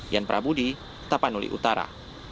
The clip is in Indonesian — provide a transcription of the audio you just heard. yan prabudi tapanuli utara